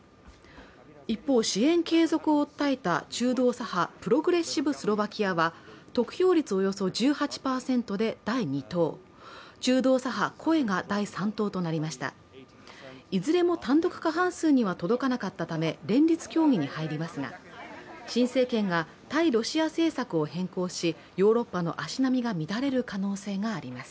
一方、支援継続を訴えた中道左派プログレッシブ・スロバキアは得票率およそ１８％で第二党中道左派・声が第三党となりましたいずれも単独過半数には届かなかったため、連立協議に入りますが、新政権が対ロシア政策を変更し、ヨーロッパの足並みが乱れる可能性があります。